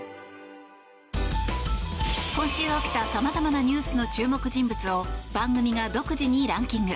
今週起きた様々なニュースの注目人物を番組が独自にランキング。